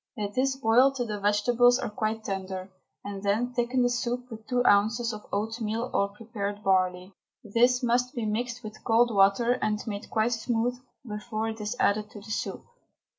Let this boil till the vegetables are quite tender, and then thicken the soup with two ounces of oatmeal or prepared barley. This must be mixed with cold water and made quite smooth before it is added to the soup.